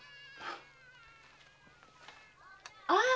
ああ！